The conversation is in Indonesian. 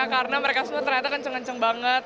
karena mereka semua ternyata kenceng kenceng banget